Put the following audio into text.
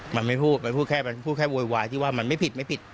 มันไม่พูดมันพูดแค่มันพูดแค่โวยวายที่ว่ามันไม่ผิดไม่ผิด